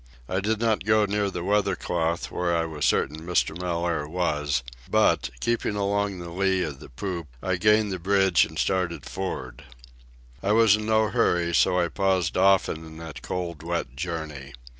I did not go near the weather cloth, where I was certain Mr. Mellaire was; but, keeping along the lee of the poop, I gained the bridge and started for'ard. I was in no hurry, so I paused often in that cold, wet journey.